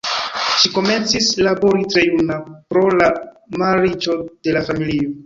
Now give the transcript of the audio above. Ŝi komencis labori tre juna, pro la malriĉo de la familio.